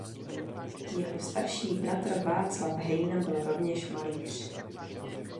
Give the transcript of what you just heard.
Jeho starší bratr Václav Hejna byl rovněž malíř.